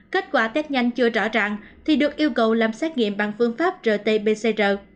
kết quả test nhanh chưa rõ ràng thì được yêu cầu làm xét nghiệm bằng phương pháp rt pcr